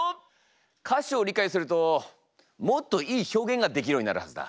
歌詞を理解するともっといい表現ができるようになるはずだ。